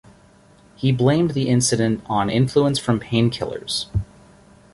He blamed the incident on influence from painkillers.